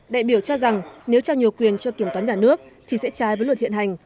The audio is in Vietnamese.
đại biểu cho rằng nếu trao nhiều quyền cho kiểm toán nhà nước thì sẽ trái với luật hiện hành